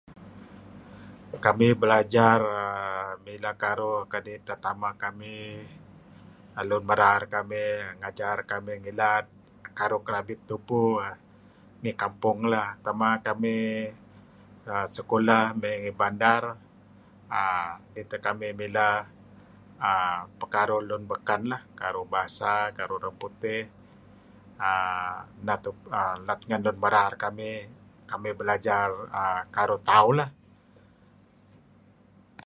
Kamih belajar milah karuh kadi' tetameh kamih kadi' lun merar kamih kami ngajar karuh kamih tupu. Ngilad karuh Kelabit tupu teh ngi kampong lah. Tema kamih ngi sekolah may bandar uhm dih teh kamih uhm mileh karuh baken lah. Lat lun merar kamih Karuh Bahasa, karuh Opang Putih uhm. Lat lun merar kamih belajar karuh tauh lah.